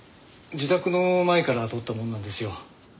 自宅の前から撮ったものなんですよ。